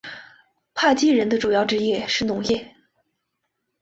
帕基人的主要职业是农业。